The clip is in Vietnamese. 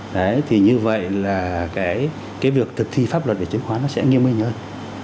đấy thì như vậy là cái việc thực thi pháp luật về chứng khoán nó sẽ nghiêm minh hơn